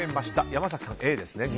山崎さん、Ａですね。